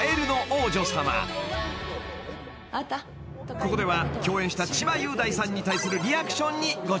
［ここでは共演した千葉雄大さんに対するリアクションにご注目］